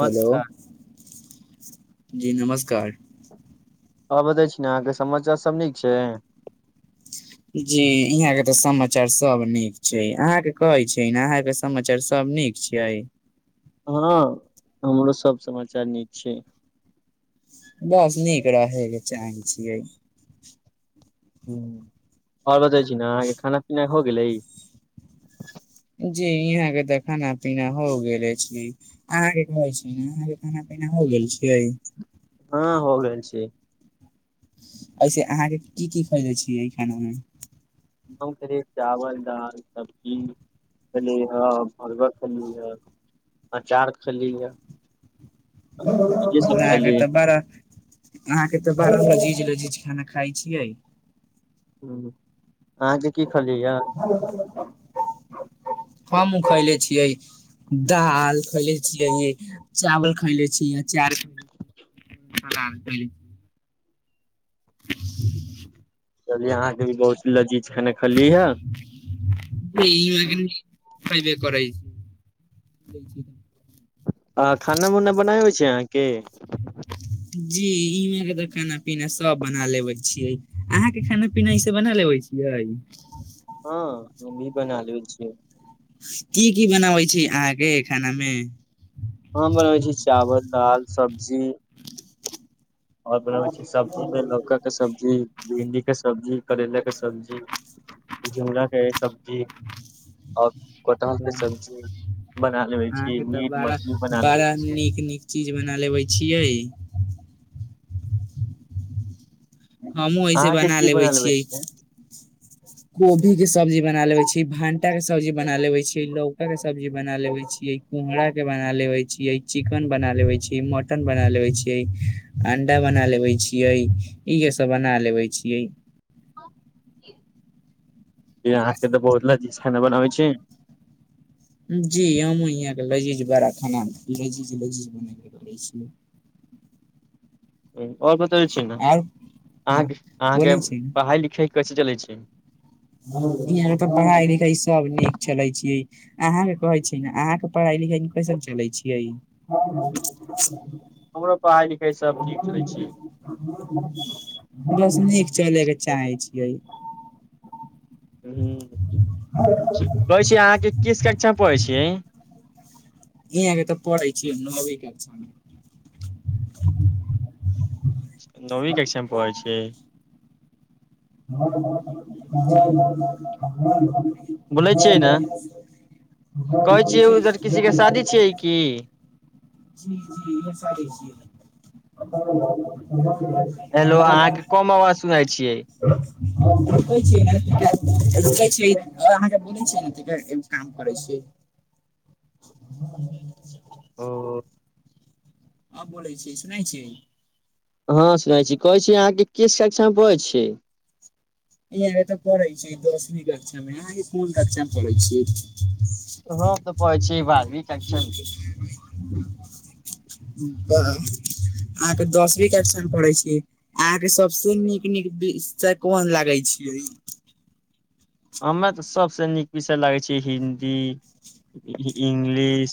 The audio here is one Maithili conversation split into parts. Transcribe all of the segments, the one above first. हेलो जी नमस्कार हँ बतै छी ने अहाँके समाचार सब नीक छै जी यहां के ते समाचार सब नीक छै अहां के कहे छै ने अहां के समाचार सब नीक छियइ हँ हमरो सब समाचार नीक छै बस नीक रहे के चाहे छियै ह आओर बतै छी ने अहाँके खाना पीना हो गेलै जी यहाँ के तऽ खाना पीना हो गेले छी अहाँ के कहै छै ने अहाँके खाना पीना हो गेल छियै हँ हो गेल छियै ऐसे अहाँके की की खईले छियै एहि खाना मे हम खेल चावल दाल सब्जी ख खेल [unintelligible] अचार खली य कहां के खेली त बर अहाँ के तऽ बार चीज लजीज खाना खा य छियै हूं अहाँके की खलि य हम उ खैले छियै दाल खैले छियै, चावल खैले छीयै अचार। [inaudible] ह, चली। [inaudible] चल अहाँकेँ भी बहुत लजीज खाना खली ह [unintelligible] खैबे करे छै। आ खाना उना बना छै अहाँकेँ। जी इह मे खाना पीना सभ बना लेवे छीये आहेँकेँ खाना पीना इस बना लेवे छी। इ। हँ, भी बना छै। की की बनाबै छै, अहाँकेँ खानामे। हम बनबै छी चावल दाल सब्जी। आओर बनाबै छी, सब्जीमे लौकाके सब्जी भिंडीके सब्जी करैलाके सब्जी। झिमरााके सब्जी आओर कोटहलके सब्जी। बना लेबे छी अहाँकेँ तऽ मीट बड़ा मछली बना लेबे बड़ा छी नीक नीक चीज बना लेबे छियै। हमहुँ ऐसे अहाँकेँ की बना लेबै छियै। कोभीके सब्जी बना ले छीयै भानटाके सब्जी बना ले छी लौकाके सब्जी बना लेबे छीयै। कोहरााके बना लेवे छी चिकन बनाे छै। मटन बना लेवे छीयै अंडा बना लेवे छीयै। इहे सभ बना लेवे छिये। जे अहाँकेँ तऽ बहुत ल जीज खाना बनाबै जी हमहु यहाँके लजीज बड़ा खाना लजीज लजीज बनाे छियै। आओर बतबै छी, ने आर कहना अहाँकेँ बोलै छै पढ़ाई लिखाई कैसे चलै छै। [unintelligible] पढ़ाइ लिखाइ [unintelligible] सभ नीक चले छियै, अहाँकेँ कहै छै, ने अहाँकेँ पढ़ाई लिखाई कैसन चले छियै? हँ। हमरो पढाई लिखाई सभ नीक होई छै। बस नीक चलैके चाहै छियै। कहै छी। अहाँके किस कक्षा पढ़ै छियै? इ अहाँके पढे छिये नौवीं [unintelligible] नौवीं कक्षामें पढ़े अछि। ह बोलै [unintelligible] छियै ने ह कहै छियै उधर किसी के शादी छियै [unintelligible] की जी, जी इ सारी छै [unintelligible] सुनाै छियै। [unintelligible] अहाँकेँ बोल छाम करे छै। ह [unintelligible] ओ। आ बोलै छिये सुनै छिये? हँ, सुनै छिये कहै छी अहाँजे किस कक्षामे पढ़ छिये? इह तऽ पढ़ै छिये दसवी कक्षामे कोन कक्षामे पढ़ै छै। हम तऽ पढ़ै छी बारहवीं कक्षा मे [unintelligible] ह [unintelligible] अहाँकेँ दसवी कक्षा पढ़े छै अहाँके सभसे नीक नीक विषय कोन लागै। करै छियै। हमरा तऽ सभसै नीक विषय लागैत छै हिन्दी। इंग्लिश,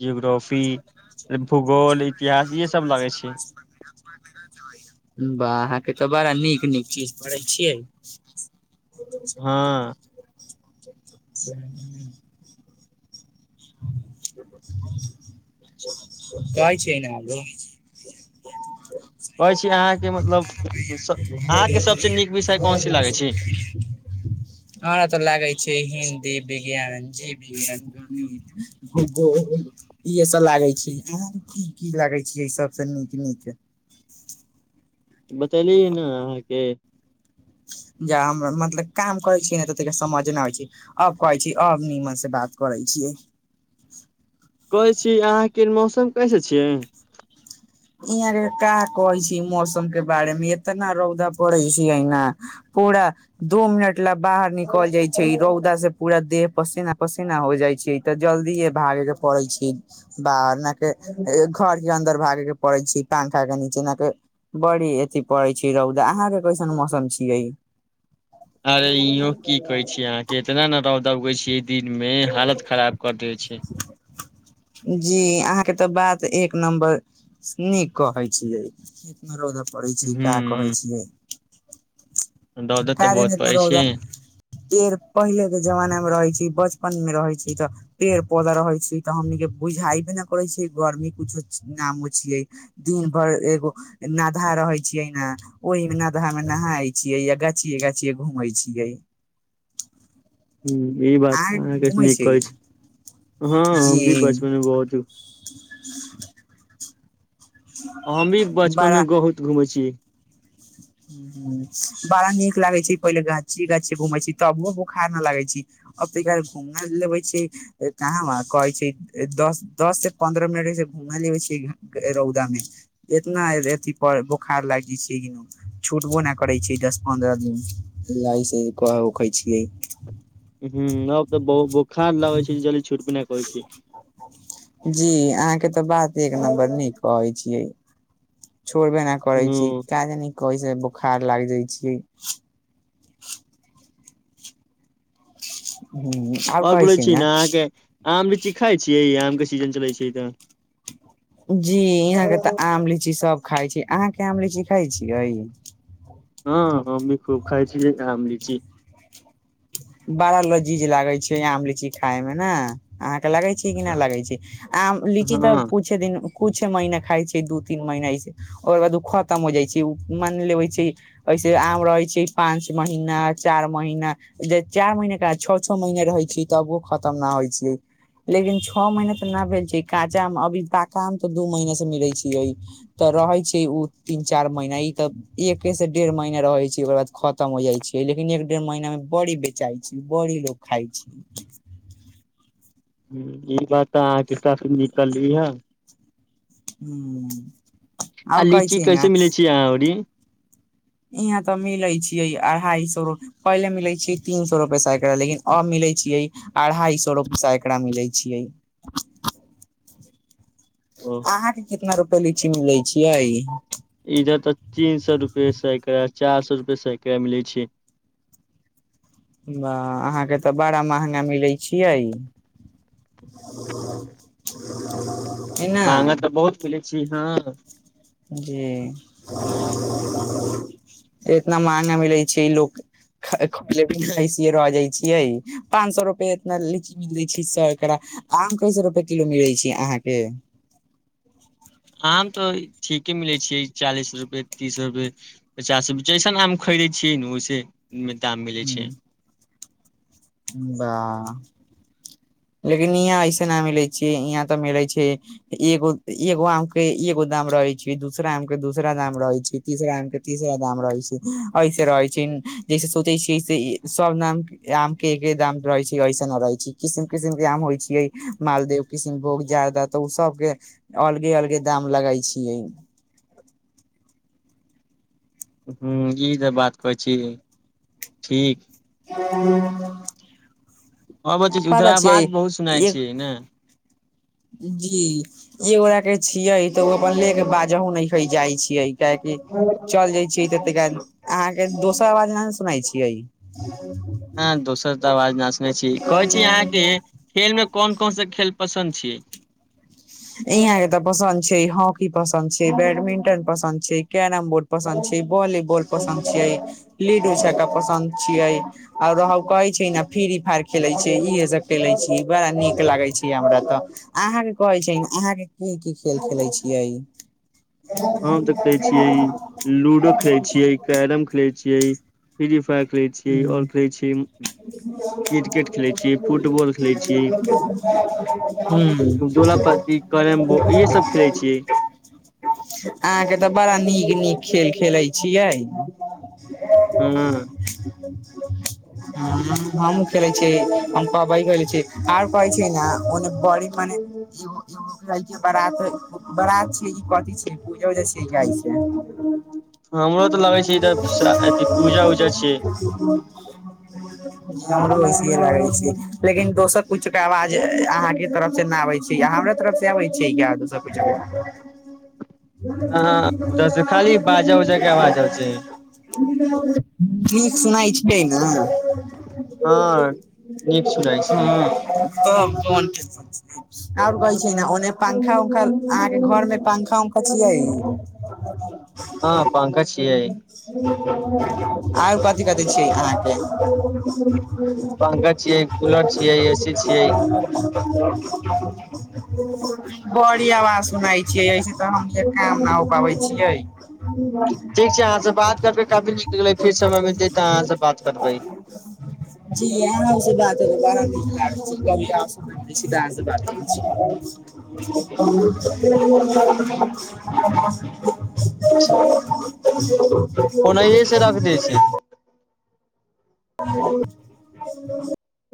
जियोग्रोफी, भुगोल। इतिहासँ सभ लगै छै। बढिया छै। बा अहाँके तऽ बड़ा नीक नीक चीज पढ़ै छियै हँ ह [inaudible] [unintelligible] [inaudible] [unintelligible] कहै छीयै ना कहै छी अहाँके मतलब अहाँके सबसे नीक विषय कोनसी लागै छी हमरा तऽ लागे छै हिन्दी विज्ञान जी विज्ञान ब [inaudible] [unintelligible] इए स लागै छीयै की लागे छीयै सबसे नीक नीक बतैली यनै अहाँके जा हम मतलब काम करै छीयै ने तऽ समझ नैय आबै छै अब कहै छी अब नीमन से बात करै छीयै कहै छी अहाँके मौसम कैसे छियै इय रे का कहै छी मौसम के बारे मे एतना रौदा पड़े छीयै ना पूरा दू मिनट ल बाहर निकल जाइ छै रौदा से पूरा देह पसीना पसीना हो जाइ छै तऽ जल्दीे भागे के पड़े छी बाह के घर के अन्दर भागे के पड़ै छैय पंखा के नीचे न त बड़ी अथी पड़ै छै रौदा अहाँ के कैसन मौसम छियै अरे इो [inaudible] [unintelligible] की कहे छीे अहाँ के इतना ने रौदा उगै छी दिन मे हालत खराब कर दे छै [inaudible] जी अहाँ के तऽ बात एक नम्बर नी कहे छियै कितना रौदा पड़ै छै का कहै हूं छियै दौद तऽ का जाने बहुत इतना पड़ै रौदा छै पेड़ पहिले के जमाना मे रहै छै बचपन मे रहै छै तऽ पेड़ पौधा रहै छियइ तऽ हमनीक के बुझायबे न करै छिए गर्मी कुछो नामो छियै दिन भरि एगो नाधा रोहै छियै ने ओहि नाधा मे नहााय छियै या ग छि गा छिय घुमै छीऐ ह ई बात अहाँ अहाँके घूमै नीक कहै छियै छी हँ हम भी बचपन मे बहुत ह [inaudible] [unintelligible] हम भी बचपन मे बगुत घूमै छी हू [inaudible] [unintelligible] बड़ा नीक लागै छै पहिले गाछी गाछी घूमै छै तबो बोखार न लगै छै अप घूमा लेबै छै कहाँ व कहै छै दस दस से पन्द्रह मिनटस घूम लेबै छ रौदा मे एतना अथी पर बोखार लागिय छिय कि छूटबो नहि करै छैै दस पन्द्रह दिन लै छै उखै छियै ह अब तऽ बहु बोखार लगै छै ज जली छुटबो नहि करै छै जी अहाँ के तऽ बात एक नम्बर नै ह कहै छियै छोड़बे नहि करै छी काज न करै छै बोखार लाग जाइ छीय हू ओगरै छीए न अहाँके आम लिची खाइ छियै आम के सीजन चलै छै तऽ जी यहां के तऽ आम लीची सब खाइ छै अहाँ के आम लीची खाय छियै हँ हमँभी खूब खाइ छीयै आमी छी बड़ा लजीज लागै छै आम लीची खाय मे नै अहाँके लगै छी कि नहि हँ लगै छी आ लीची तऽ कुछ हँ, कुछे दिन कुछ महीना खाइ छै दू तीन महीना एसे ओकर बाद ओ खतम हो जाइ छै मन लेबै छै ऐसे आम रहै छै पाँच महीना चारि महीना जे चारि महीने के छओ छओ महीने रहै छीय तबो खतम न होइ छियै लेकिन छओ महीना तऽ नहि भेल छै काँचा आम अभी पाका मे तऽ दू महीने से मिले छीय तऽ रहै छै ओ तीन चार महीना ई तऽ एके से डेढ़ महीना रहै छै ओकर बाद खतम हो जाइ छै लेकिन एक डेढ़ महीना मे बढ़ी बेचाइ छै बड़ी लोग खाइ छै ई बात तऽ अहाँके सा [unintelligible] निकलली है हूं आ लीची कैसे मिलै छियै आहां आरी इहाँ तऽ मिले छियै अढ़ाई सए रु पहिले मिलै छियै तीन सौ रुपए साइकर लेकिन अब मिलैत छियै अढ़ाई सो रूप सेकरा मिलै छियै ओ अहाँके कितना रुपै लीची मिलै छियै इज तऽ तीन सए रुपे सैकरा चार सए रुपए सैकरा मिले छियै वहां अहाँके तऽ बड़ा महंगा मिलैत छियै [inaudible] महंगा तऽ बहुत खलै छी आहाॅं क जी इतना महंगा मिलै छै लोक खेै छियै [unintelligible] र जाइ छियै पाँंच सए रुपआ इतना लीची मिल दै छै सएकरा आम कैसए रुपए किलो मिलै छै अहाँके आम तऽ ठीके मिलै छियै चालीस रुपे तीस रुपे पचास रुप जैसन आम खरीदे छियै ने ओैसे मे दाम मिलैत छै बाह। लेकिन यहाँ ऐसे नहि मिलै छियै यहाँ तऽ मिलै छियै एगो एगो आम के एगो दाम रहै छै दूसरा आम के दूसरा दाम रहै छै तीसरा आम के तीसरा दाम रहै छै ऐसे रहै छै जैसे सोचै छियै सब नाम आम के एके दाम रहै छै ऐसन न रहै छै किसम किसण के आम होइ छियै मालदेव किशनभोग जादा तऽ ओ सबके अलगे अलगे दाम लगाई छियै हूं ई त बात कहै छी ठीक पता छियै उदराबाद बहुत सुनाइ एक छियै ने। जी ए गोरा के छियै तऽ ओ अपन ले के बाजहु न जाइ छियै कियाकि चल जाय छिय त अहाँके दोस्त आवाज न सुनाै छियै हँ दोसर तऽ आवाज नहि सुने छी कहै छी अहाँके खेल में कोन कोनस खेल पसन्द छी ईहाँ के तऽ पसन्द छै हॉकी पसन्द छै बैडमिंटन पसन्द छै कैरम बोर्ड पसन्द छै भॉलीबॉल पसन्द छियै लूडू छका पसन्द छियै आर रह कहै छै न फि फर खेले छै इहे सब खेले छी बड़ा नीक लागे छै हमरा ते अहाँ के कहे छी। अहाँके की की खेल खेलै छियै हम तऽ खेले छियै लूडो खेले छियै कैरम खेले छियै फ्री फायर खेलै छियै आओर खेलै छी खेलै छियै ह्म दोला पाती [unintelligible] कैरम बोर्ड इ सब खेलै छियै अहाँके तऽ बड़ा नीक नीक खेल खेलै छियै हूॅं [unintelligible] हम खेले छी हम पा खे छी आर। कहै छै ने ओने बड़ी मने [unintelligible] बरात छै की कथी छियै पूजा उजा छै के आय से हमरो तऽ लगै छै इधर अथि पूजा उजा [inaudible] छियै हमरो वैसे लागै छै लेकिन दोसर कुछु के आवाज अहां के तरफ से न आब छै हमे तरफ से आबे छी य दोस [unintelligible] रुव ह [inaudible] बाजा उजा के आवाज आबै छै नै सुनाइ छै न हँ हँ नीक सुनाइ छै त आ [unintelligible] ओर कहै छै ने ओने पंखा उंखा अहाँके घर मे पंखा उंखा छियै हँ पंखा छियै आर कथी कथी छियै अहाँके पंखा छियै [inaudible] कूलर छियै ए सी छियै बड़ी आवाज सुनाइ छियै ऐसे त हम काम न हो पाबै छियै ठीक छै अहाँ से बात करके कभी निकले [inaudible] [unintelligible] जी से बात ब। सीधा बात करै छी ओनाहिये से रख [unintelligible] दै छै [inaudible]